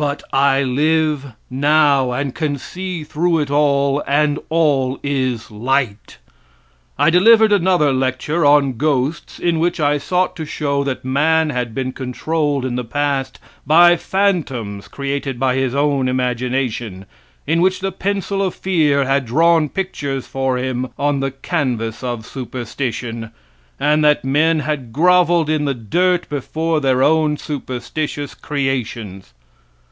But I live now and can see through it all, and all is light. I delivered another lecture, on "Ghosts," in which I sought to show that man had been controlled in the past by phantoms created by his own imagination; in which the pencil of fear had drawn pictures for him on the canvass of superstition, and that men had groveled in they dirt before their own superstitious creations.